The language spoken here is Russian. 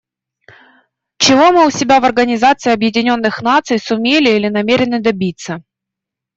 Чего мы у себя в Организации Объединенных Наций сумели или намерены добиться?